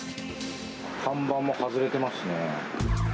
看板も外れてますね。